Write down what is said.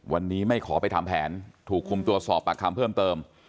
วันนี้ไม่ขอไปทำแผนถูกคุมตัวสอบปากคำเพิ่มเติม